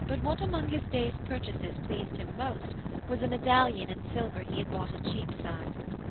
But what among his day's purchases pleased him most was a medallion in silver he had bought in Cheapside.